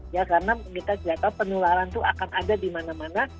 ya karena kita tidak tahu penularan itu akan ada di mana mana